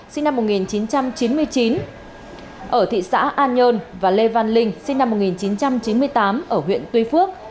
sinh năm một nghìn chín trăm chín mươi chín ở thị xã an nhơn và lê văn linh sinh năm một nghìn chín trăm chín mươi tám ở huyện tuy phước